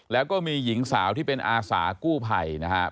แล้วก็มีหญิงสาวที่เป็นอาสากู้ภัยนะครับ